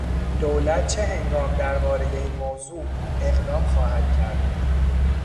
دولت چه هنگام دربارهی این موضوع اقدام خواهد کرد؟